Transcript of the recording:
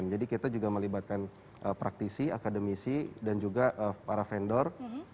jadi kita juga melibatkan praktisi akademisi dan juga para vendor